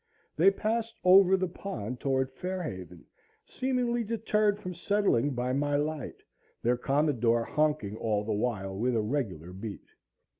They passed over the pond toward Fair Haven, seemingly deterred from settling by my light, their commodore honking all the while with a regular beat.